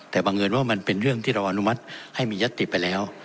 แต่บังเอิญว่ามันเป็นเรื่องที่เราอนุมัติให้มียัตติไปแล้ว